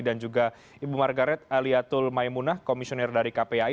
dan juga ibu margaret aliatul maimunah komisioner dari kpi